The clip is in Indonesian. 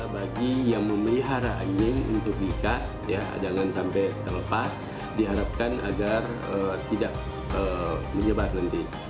bagi yang memelihara anjing untuk diikat jangan sampai terlepas diharapkan agar tidak menyebar nanti